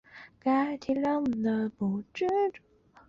致力于两岸和平统一。